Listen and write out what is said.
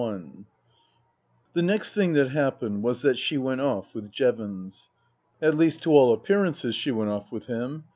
" Ill THE next thing that happened was that she went off with Jevons. At least, to all appearances she went off with him.